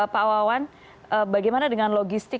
pak wawan bagaimana dengan logistik